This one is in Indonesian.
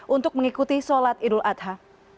untuk mengikuti sholat idul adha